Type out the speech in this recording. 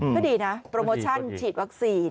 ก็ดีนะโปรโมชั่นฉีดวัคซีน